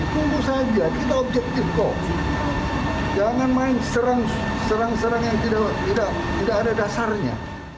tunggu saja kita objektif kok jangan main serang serang yang tidak ada dasarnya